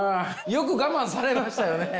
よく我慢されましたよね。